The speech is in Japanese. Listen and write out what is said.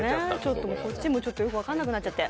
ちょっと、こっちもよく分かんなくなっちゃって。